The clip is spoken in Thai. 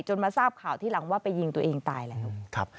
มาทราบข่าวที่หลังว่าไปยิงตัวเองตายแล้ว